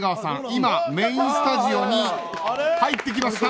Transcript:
今、メーンスタジオに入ってきました。